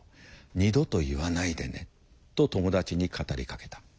二度と言わないでね」と友達に語りかけた。